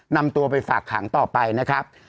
นำตัวไปฝากขังต่อไปนะครับ